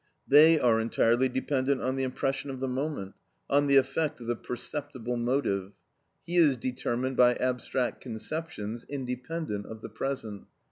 They are entirely dependent on the impression of the moment, on the effect of the perceptible motive; he is determined by abstract conceptions independent of the present.